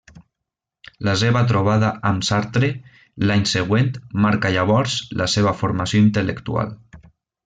La seva trobada amb Sartre l'any següent marca llavors la seva formació intel·lectual.